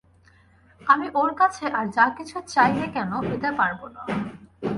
আমি ওঁর কাছে আর যা-কিছু চাই নে কেন, এটা পারব না।